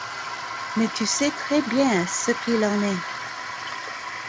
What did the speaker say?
Mais tu sais très bien ce qu'il en est.